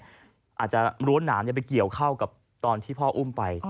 อาจจะรั้วหนามไปเกี่ยวเข้ากับตอนที่พ่ออุ้มไป